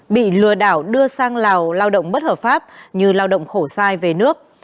bị lừa đảo đưa sang lào lao động bất hợp pháp như lao động khổ sai về nước